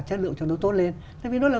chất lượng cho nó tốt lên tại vì nó là